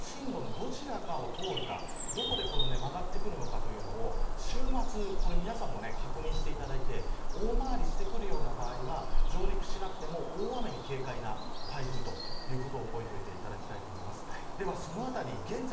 なので、この進路のどちらを通るかどこで曲がってくるのかというのを週末、皆さんも確認していただいて大回りしてくるような場合は上陸しなくても大雨に警戒な台風ということを覚えていただきたいです。